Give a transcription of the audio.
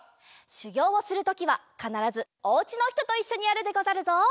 しゅぎょうをするときはかならずおうちのひとといっしょにやるでござるぞ。